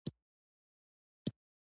خو د غم نه خوښۍ ته سل دښتې دي.